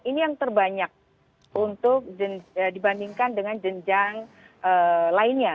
ini yang terbanyak untuk dibandingkan dengan jenjang lainnya